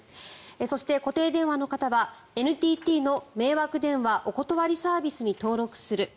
そして固定電話の方はＮＴＴの迷惑電話おことわりサービスに登録する。